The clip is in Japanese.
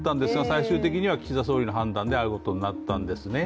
最終的には岸田総理の判断で会うことになったんですね。